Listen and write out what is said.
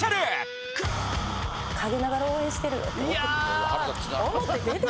陰ながら応援してるよって。